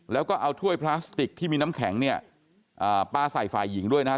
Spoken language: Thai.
แล้วก็เอาถ้วยพลาสติกที่มีน้ำแข็งเนี่ยปลาใส่ฝ่ายหญิงด้วยนะครับ